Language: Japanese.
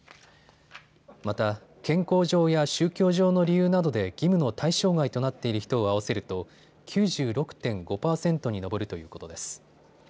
また健康上や宗教上の理由などで義務の対象外となっている人を合わせると９６．５％に上るということです。